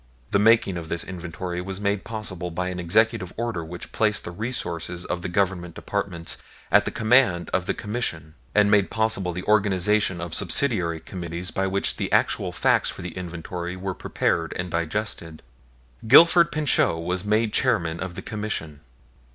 The making of this inventory was made possible by an Executive order which placed the resources of the Government Departments at the command of the Commission, and made possible the organization of subsidiary committees by which the actual facts for the inventory were prepared and digested. Gifford Pinchot was made chairman of the Commission.